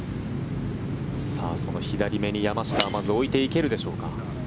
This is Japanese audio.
その左めに山下はまず置いていけるでしょうか。